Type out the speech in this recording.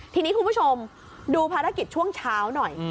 ทีนี้คุณผู้ชมดูภารกิจช่วงเช้าหน่อย